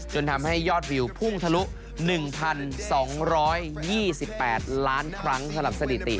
จนทำให้ยอดวิวพุ่งทะลุ๑๒๒๘ล้านครั้งสำหรับสถิติ